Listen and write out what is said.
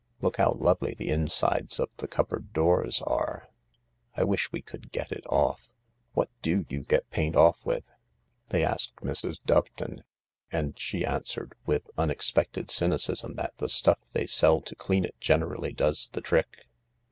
Look how lovely the insides of the cupboard doors are. I wish we could get it off. What do you get paint off with ?" They asked Mrs. Doveton, and she answered with unex pected cynicism that the stuff they sell to clean it generally does the trick.